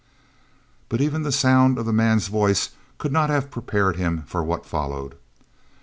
But even the sound of the man's voice could not have prepared him for what followed.